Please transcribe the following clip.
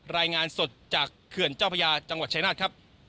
รายงานสดจากเขื่อนเจ้าพระยาจังหวัดชายนาฏครับ